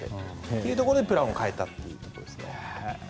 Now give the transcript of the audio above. というところで、プランを変えたというところですね。